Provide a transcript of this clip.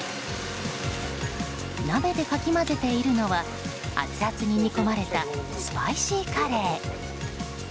鍋でかき混ぜているのはアツアツに煮込まれたスパイシーカレー。